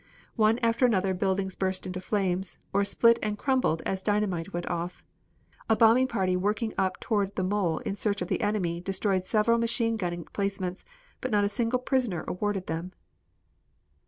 One after another buildings burst into flames, or split and crumbled as dynamite went off. A bombing party working up toward the mole in search of the enemy destroyed several machine gun emplacements but not a single prisoner awarded them.